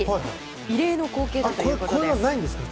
異例の光景だということです。